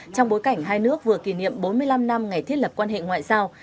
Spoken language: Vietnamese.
trong bối cảnh hai nước vừa kỷ niệm bốn mươi năm năm ngày thiết lập quan hệ ngoại giao